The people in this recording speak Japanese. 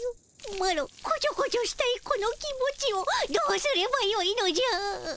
マロこちょこちょしたいこの気持ちをどうすればよいのじゃ。